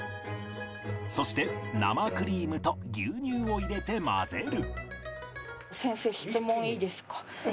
そして生クリームと牛乳を入れて混ぜる